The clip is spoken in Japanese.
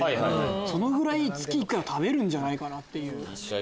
そのぐらい月１回は食べるんじゃないかなっていう。